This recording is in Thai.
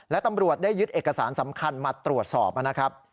และตำรวจได้ยึดเอกสารสำคัญมาตรวจสอบนะครับ